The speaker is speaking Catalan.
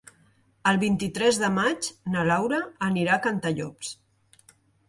El vint-i-tres de maig na Laura anirà a Cantallops.